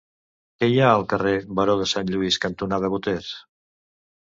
Què hi ha al carrer Baró de Sant Lluís cantonada Boters?